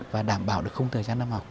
và đảm bảo được không thời gian năm học